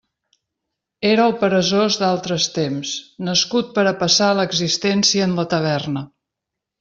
Era el peresós d'altres temps, nascut per a passar l'existència en la taverna.